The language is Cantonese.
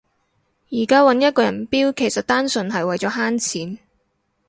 而家搵一個人標其實單純係為咗慳錢